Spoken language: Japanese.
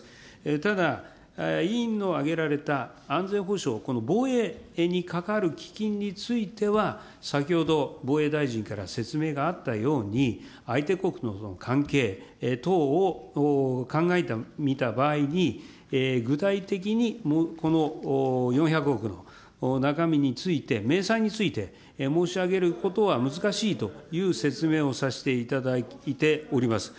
ただ、委員の挙げられた安全保障、この防衛に係る基金については、先ほど防衛大臣から説明があったように、相手国との関係等を考えてみた場合に、具体的にこの４００億の中身について、明細について、申し上げることは難しいという説明をさせていただいております。